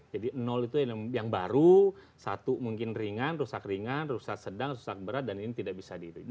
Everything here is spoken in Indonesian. jadi itu yang baru satu mungkin ringan rusak ringan rusak sedang rusak berat dan ini tidak bisa dihitung